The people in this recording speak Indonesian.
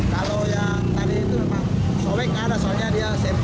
kalau yang tadi itu sobek gak ada soalnya dia sensitif